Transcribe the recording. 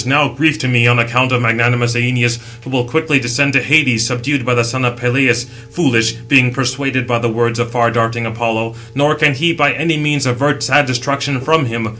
certainly there now is grief to me, on account of magnanimous Æneas, 661 who will quickly descend to Hades, subdued by the son of Peleus, foolish, being persuaded by the words of far darting Apollo; nor can he by any means avert 662 sad destruction from him.